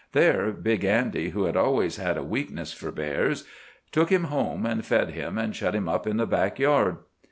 There Big Andy, who had always had a weakness for bears, took him home and fed him and shut him up in the back yard.